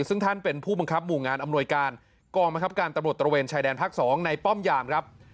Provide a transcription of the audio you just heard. ซึ่งท่านเป็นผู้บังคับหมู่งานอำนวยการกองบังคับการตำรวจตระเวนชายแดนภาค๒ในป้อมยามครับ